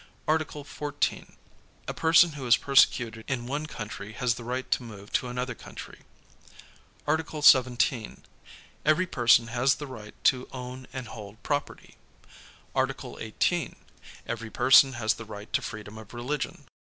Articlk 11. A person who is persecuted in one lountiy has the right to move to another country. Article 17. Every person has the right to own and hold property. Article 18. Every person has the right to freedom of religion.